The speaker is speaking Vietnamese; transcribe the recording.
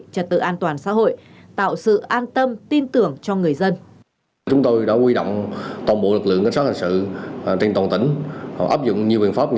trật tự an toàn xã hội tạo sự an tâm tin tưởng cho người dân